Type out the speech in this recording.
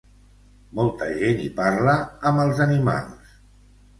Molta gent hi parla, amb els animals.